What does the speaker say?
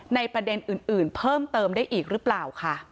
ในประเด็นอื่นเพิ่มเติมได้อีกหรือเปล่าค่ะ